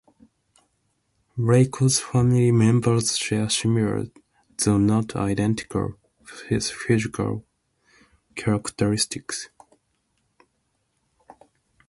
Reiko's family members share similar, though not identical, physical characteristics.